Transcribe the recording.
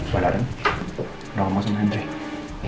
pak darin udah mau masuk ke hendry